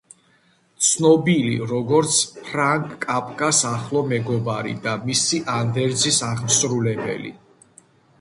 ცნობილი, როგორც ფრანც კაფკას ახლო მეგობარი და მისი ანდერძის აღმსრულებელი.